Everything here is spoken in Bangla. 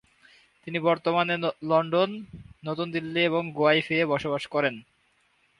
তিনি বর্তমানে লন্ডন, নতুন দিল্লি এবং গোয়ায় ঘুরে ফিরে বসবাস করেন।